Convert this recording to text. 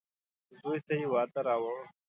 زوی ته يې واده راووړ.